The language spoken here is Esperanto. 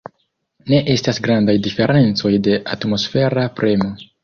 Ne estas grandaj diferencoj de atmosfera premo.